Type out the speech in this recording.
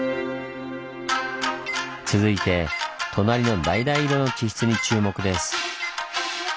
続いて隣の橙色の地質に注目です。